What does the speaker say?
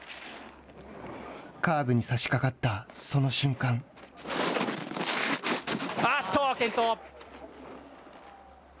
カーブに差しかかった、その瞬間あーっと、転倒。